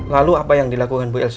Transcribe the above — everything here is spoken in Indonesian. lalu apa yang dilakukan bu elsa